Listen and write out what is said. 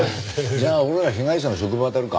じゃあ俺らは被害者の職場あたるか。